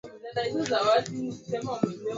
nami vivyo hivyo naliwatuma hao ulimwenguni